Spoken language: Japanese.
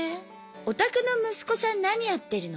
「お宅の息子さん何やってるの？」